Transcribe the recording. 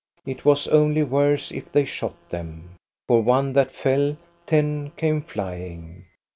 It was only worse if they shot them. For one that fell, ten came flying.